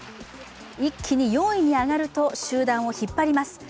一気に４位に上がると集団を引っ張ります。